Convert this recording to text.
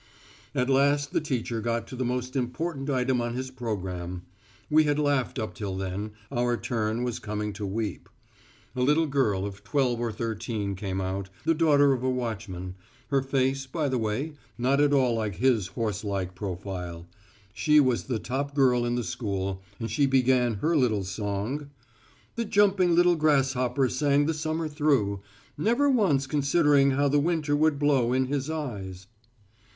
At last the teacher got to the most important item on his programme. We had laughed up till then, our turn was coming to weep. A little girl of twelve or thirteen came out, the daughter of a watchman, her face, by the way, not at all like his horse like profile. She was the top girl in the school and she began her little song: "The jumping little grasshopper sang the summer through, Never once considering how the winter would blow in his eyes."